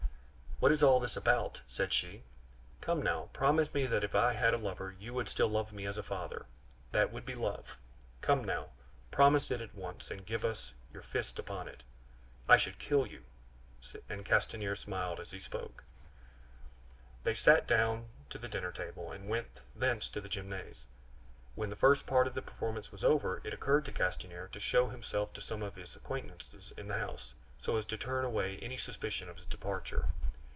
"What is all this about?" said she. "Come, now, promise me that if I had a lover you would still love me as a father; that would be love! Come, now, promise it at once, and give us your fist upon it." "I should kill you," and Castanier smiled as he spoke. They sat down to the dinner table, and went thence to the Gymnase. When the first part of the performance was over, it occurred to Castanier to show himself to some of his acquaintances in the house, so as to turn away any suspicion of his departure.